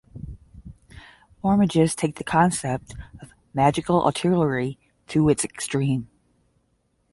Warmages take the concept of "magical artillery" to its extreme.